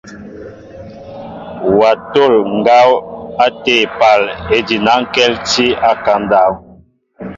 Wa tol ŋgaw ate épaal ejinaŋkɛltinɛ a ekaŋ ndáw.